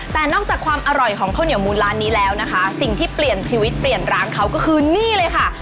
แต่นอกจากความอร่อยของข้าวเหนียวมูลร้านนี้แล้วนะคะสิ่งที่เปลี่ยนชีวิตเปลี่ยนร้านเขาก็คือนี่เลยค่ะ